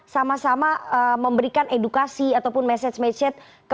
sama sama memberikan edukasi ataupun message message